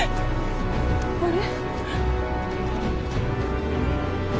あれ？